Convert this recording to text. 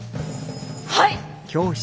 はい！